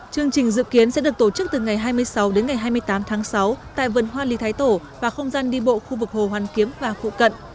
chương trình dự kiến sẽ được tổ chức từ ngày hai mươi sáu đến ngày hai mươi tám tháng sáu tại vườn hoa lý thái tổ và không gian đi bộ khu vực hồ hoàn kiếm và phụ cận